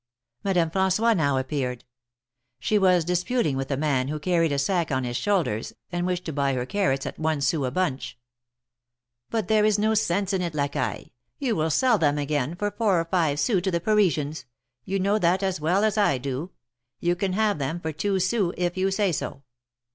Madame rran9ois now appeared. She was disputing with a man who carried a sack on his shoulders, and wished to buy her carrots at one sou a bunch. ^^But there is no sense in it, Lacaille ! You will sell them again for four or five sous to the Parisians ; you know that as well as I do! You can have them for two sous, if you say so.